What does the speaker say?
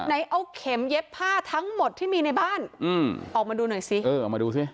ไหนเอาเข็มเย็บผ้าทั้งหมดที่มีในบ้านอืมออกมาดูหน่อยสิเออออกมาดูสิ